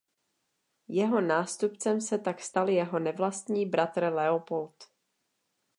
Jeho nástupcem se tak stal jeho nevlastní bratr Leopold.